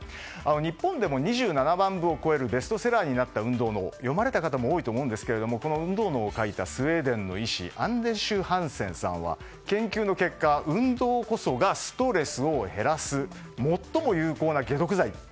日本でも２７万部を超えるベストセラーになった「運動脳」読まれた方も多いと思いますがこの「運動脳」を描いたスウェーデンの医師アンデシュ・ハンセンさんの研究の結果運動こそがストレスを減らす最も有効な解毒剤。